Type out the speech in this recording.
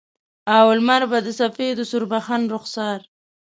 او لمر به د سپیدو سوربخن رخسار